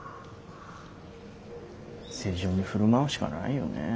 正常に振る舞うしかないよねえ。